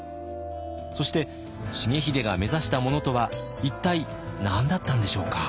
そして重秀が目指したものとは一体何だったんでしょうか？